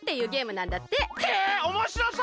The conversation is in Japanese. へえおもしろそう！